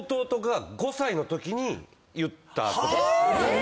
え！